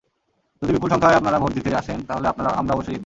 যদি বিপুল সংখ্যায় আপনারা ভোট দিতে আসেন, তাহলে আমরা অবশ্যই জিতব।